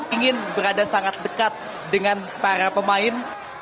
ingin berada sangat dekat dengan para pemain